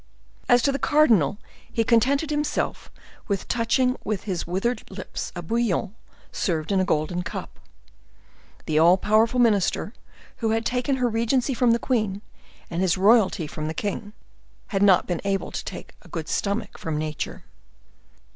As to the cardinal, he contented himself with touching with his withered lips a bouillon, served in a golden cup. The all powerful minister, who had taken her regency from the queen, and his royalty from the king, had not been able to take a good stomach from nature.